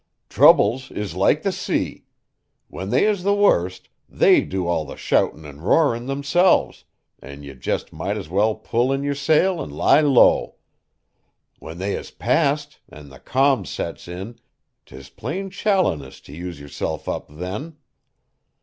Troubles is like the sea. When they is the worst, they do all the shoutin' an' roarin' themselves, an' ye jest might as well pull in yer sail an' lie low. When they is past, an' the calm sets in, 't is plain shallowness t' use yerself up then.